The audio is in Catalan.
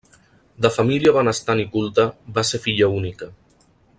De família benestant i culta, va ser filla única.